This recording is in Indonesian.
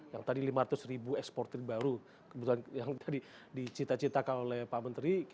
yang tadi lima ratus ribu ekspor terbaru yang tadi dicita citakan oleh pak menteri